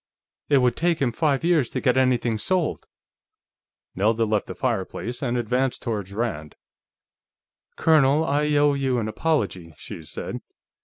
"It would take him five years to get everything sold." Nelda left the fireplace and advanced toward Rand. "Colonel, I owe you an apology," she said.